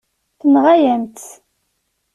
Tenɣa-yam-tt.